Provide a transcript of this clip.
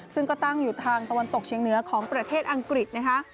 ซึ่งก็ตั้งอยู่ทางตะวันตกเชียงเหนือของประเทศอังกฤษนะคะ